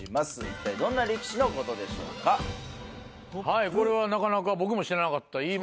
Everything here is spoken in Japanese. はいこれはなかなか僕も知らなかったいい問題です。